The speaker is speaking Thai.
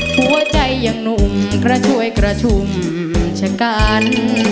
หัวใจอย่างหนุ่มกระช่วยกระชุ่มชะกัน